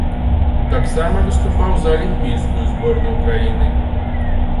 Таксама выступаў за алімпійскую зборную краіны.